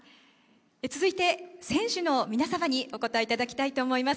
続いて、選手の皆様にお答えいただきたいと思います。